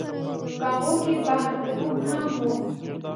په هغو کې بحر العلوم هم و.